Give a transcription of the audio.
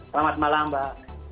selamat malam mbak